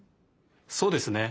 そうですね。